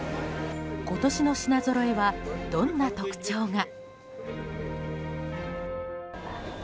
今年の品ぞろえはどんな特徴が。